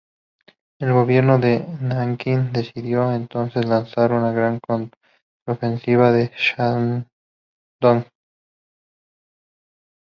El gobierno de Nankín decidió entonces lanzar una gran contraofensiva en Shandong.